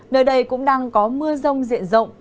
nơi đây cũng đang có mưa rông diện rộng